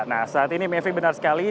nah saat ini mevri benar sekali